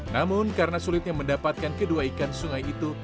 namun karena sulitnya mendapatkan kedua ikan sungai itu